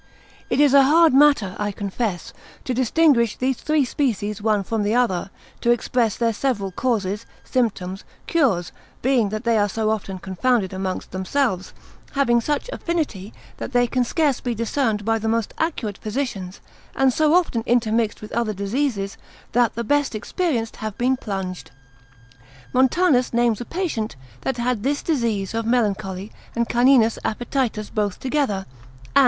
It is a hard matter, I confess, to distinguish these three species one from the other, to express their several causes, symptoms, cures, being that they are so often confounded amongst themselves, having such affinity, that they can scarce be discerned by the most accurate physicians; and so often intermixed with other diseases, that the best experienced have been plunged. Montanus consil. 26, names a patient that had this disease of melancholy and caninus appetitus both together; and consil.